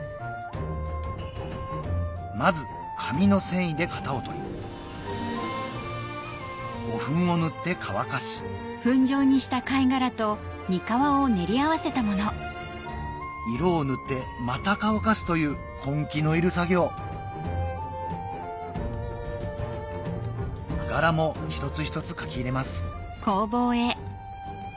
まず紙の繊維で型をとり胡粉を塗って乾かし色を塗ってまた乾かすという根気のいる作業柄も一つ一つ描き入れます